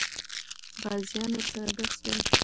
غازیان ورسره ګډ سول.